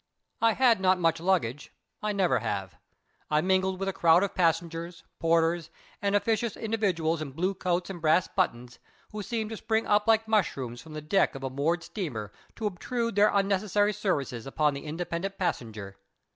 I had not much luggage I never have. I mingled with a crowd of passengers, porters, and officious individuals in blue coats and brass buttons, who seemed to spring up like mushrooms from the deck of a moored steamer to obtrude their unnecessary services upon the independent passenger.